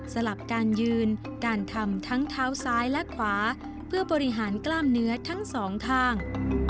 สลับการยืนการทำทั้งเท้าซ้ายและขวาเพื่อบริหารกล้ามเนื้อทั้งสองข้าง